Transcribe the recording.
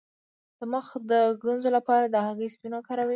د مخ د ګونځو لپاره د هګۍ سپین وکاروئ